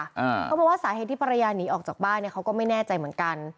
เขาบอกว่าสาเหตุที่ภรรยาหนีออกจากบ้านเนี่ยเขาก็ไม่แน่ใจเหมือนกัน